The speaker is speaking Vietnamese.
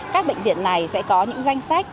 các bệnh viện này sẽ có những danh sách